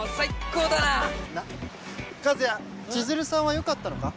なっ和也千鶴さんはよかったのか？